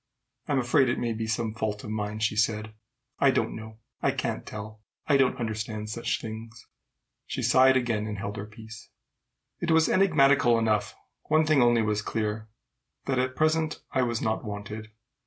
"I'm afraid it may be some fault of mine," she said. "I don't know. I can't tell. I don't understand such things." She sighed again, and held her peace. It was enigmatical enough. One thing only was clear, that at present I was not wanted.